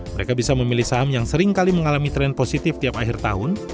mereka bisa memilih saham yang seringkali mengalami tren positif tiap akhir tahun